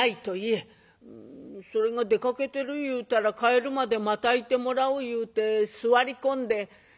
「それが出かけてる言うたら帰るまでまたいてもらう言うて座り込んで」。